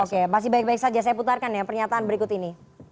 oke masih baik baik saja saya putarkan ya pernyataan berikut ini